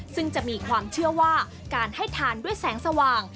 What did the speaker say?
ซึ่งจะมีความเชื่อว่าการให้ทานด้วยแสงสว่าง